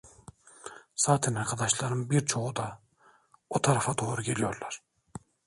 Zaten arkadaşların birçoğu da o tarafa doğru geliyorlar.